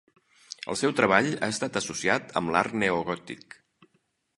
El seu treball ha estat associat amb l'art neogòtic.